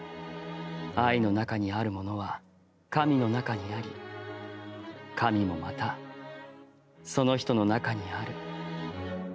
愛の中にあるものは神の中にあり神もまた、その人の中にある。